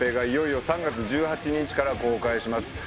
いよいよ３月１８日から公開します